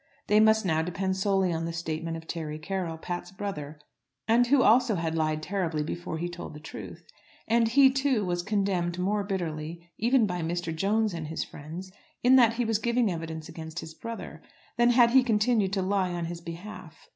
They must now depend solely on the statement of Terry Carroll, Pat's brother, and who also had lied terribly before he told the truth. And he, too, was condemned more bitterly, even by Mr. Jones and his friends, in that he was giving evidence against his brother, than had he continued to lie on his behalf.